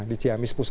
di ciamis pun